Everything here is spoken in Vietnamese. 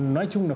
nói chung là